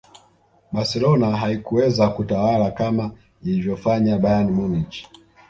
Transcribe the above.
barcelona haikuweza kutawala kama ilivyofanya bayern munich